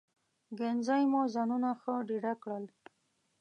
ګهیځنۍ مو ځانونه ښه ډېډه کړل.